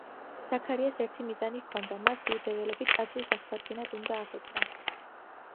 ზაქარიას ერთი მიზანი ჰქონდა, მას იუდეველები ტაძრის აღსადგენად უნდა აღეძრა.